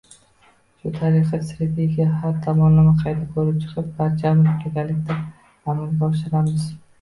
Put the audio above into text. Shu tariqa Strategiyani har tomonlama qayta ko‘rib chiqib, barchamiz birgalikda amalga oshiramiz!